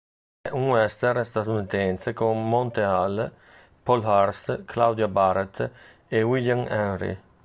È un western statunitense con Monte Hale, Paul Hurst, Claudia Barrett e William Henry.